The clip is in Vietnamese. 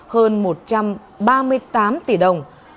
hơn một trăm ba mươi tám tỷ đồng